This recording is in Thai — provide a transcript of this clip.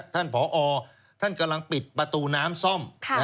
ผอท่านกำลังปิดประตูน้ำซ่อม